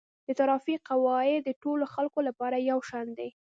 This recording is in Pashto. د ترافیک قواعد د ټولو خلکو لپاره یو شان دي.